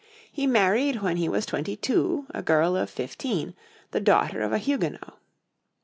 He married when he was twenty two a girl of fifteen, the daughter of a Huguenot.